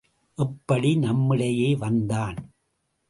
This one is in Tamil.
எப்படி நம்மிடையே வந்தான்?